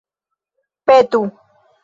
petu